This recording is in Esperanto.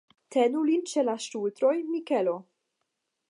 Tenu lin ĉe la ŝultroj, Mikelo.